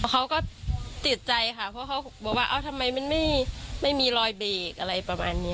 เขาก็ติดใจค่ะเพราะเขาบอกว่าทำไมมันไม่มีรอยเบรกอะไรประมาณนี้